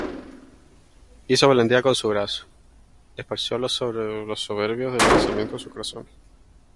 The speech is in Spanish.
Hizo valentía con su brazo: Esparció los soberbios del pensamiento de su corazón.